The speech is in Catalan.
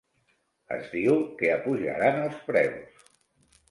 Es diu que apujaran els preus.